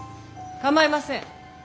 構いません。